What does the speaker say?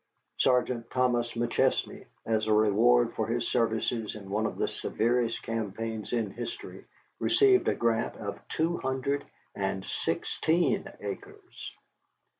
Sergeant Thomas McChesney, as a reward for his services in one of the severest campaigns in history, received a grant of two hundred and sixteen acres!